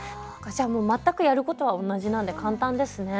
じゃあもう全くやることは同じなんで簡単ですね。